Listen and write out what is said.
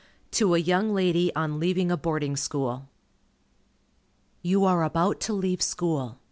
To a Young Lady on Leaving a Boarding School. You are about to leave school.